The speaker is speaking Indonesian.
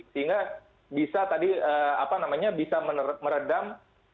sehingga bisa tadi apa namanya bisa meredam